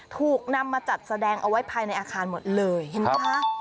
ถูกนำมาจัดแสดงเอาไว้ภายในอาคารหมดเลยเห็นไหมคะ